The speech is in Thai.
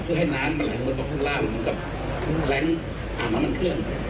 เพื่อให้น้ำมันไหลลงมาข้างล่างเหมือนกับแรงอาหารมันเคลื่อน